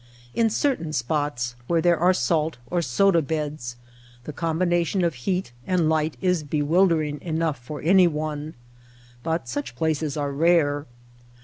In certain spots where there are salt or soda beds the combination of heat and light is bewildering enough for anyone ; but such places are rare.